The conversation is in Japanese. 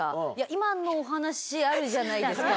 今のお話あるじゃないですか。